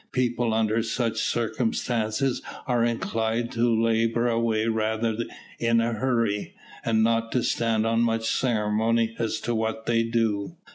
People under such circumstances are inclined to labour away rather in a hurry, and not to stand on much ceremony as to what they do.